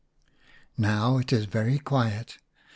Now it is very quiet.